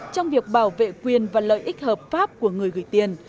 trong việc bảo vệ quyền và lợi ích hợp pháp của người gửi tiền